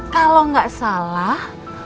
kalau nggak salah